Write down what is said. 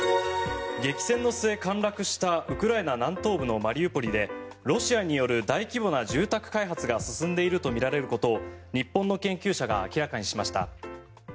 激戦の末陥落したウクライナ南東部のマリウポリでロシアによる大規模な住宅開発が進んでいるとみられることを日本の研究者が明らかにしました。